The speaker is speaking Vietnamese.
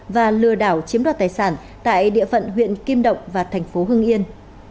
và lừa đảo chiếm đoạt tài sản tại địa phận huyện kim động và thành phố hưng yên